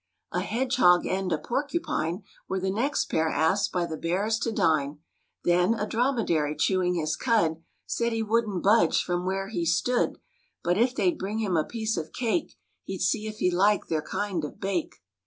A hedgehog and a porcupine Were the next pair asked by the Bears to dine, Then a dromedary chewing his cud Said he wouldn't budge from where he stood, But if they'd bring him a piece of cake He'd see if he liked their kind of bake.